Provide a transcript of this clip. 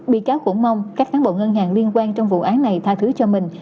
bị cáo cũng mong các cán bộ ngân hàng liên quan trong vụ án này tha thứ cho mình